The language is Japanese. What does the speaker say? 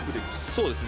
そうですね。